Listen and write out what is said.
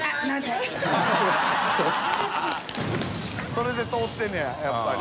それで通ってんねややっぱり。